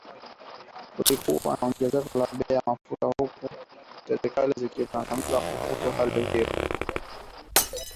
Kulikuwa na ongezeko la bei ya mafuta katika vituo vya kuuzia katika nchi nyingine za Afrika Mashariki, huku serikali mbalimbali zikilaumu hali hiyo